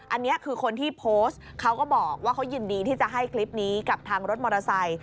อันนี้คือคนที่โพสต์เขาก็บอกว่าเขายินดีที่จะให้คลิปนี้กับทางรถมอเตอร์ไซค์